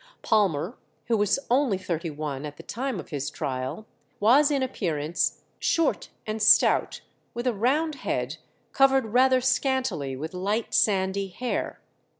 Palmer, who was only thirty one at the time of his trial, was in appearance short and stout, with a round head covered rather scantily with light sandy hair.